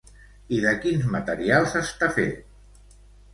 I de quins materials està fet?